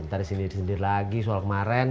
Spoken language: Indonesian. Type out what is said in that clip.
ntar disini sini lagi soal kemaren